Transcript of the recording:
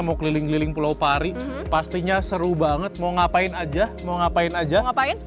mau keliling keliling pulau pari pastinya seru banget mau ngapain aja mau ngapain aja ngapain